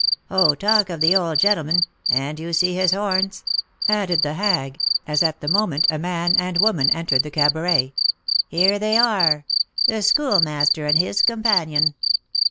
Oh, talk of the old gentleman, and you see his horns," added the hag, as at the moment a man and woman entered the cabaret; "here they are, the Schoolmaster and his companion.